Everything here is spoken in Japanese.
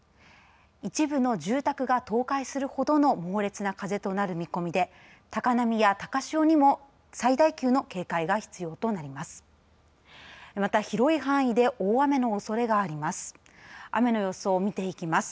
一部の住宅が倒壊するほどの猛烈な風となる見込みで高波や高潮にも最大級の警戒が必要となります。